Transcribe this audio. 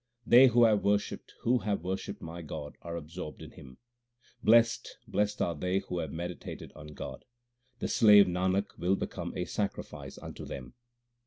They who have worshipped, who have worshipped my God, are absorbed in Him. Blest, blest are they who have meditated on God ; the slave Nanak will become a sacrifice unto them.